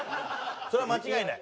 それは間違いない。